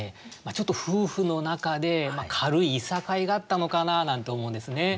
ちょっと夫婦の中で軽いいさかいがあったのかな？なんて思うんですね。